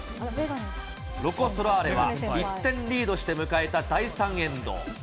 ロコ・ソラーレは１点リードして迎えた第３エンド。